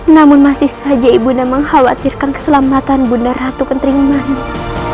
namun masih saja ibu nda mengkhawatirkan keselamatan bunda ratu gentri manik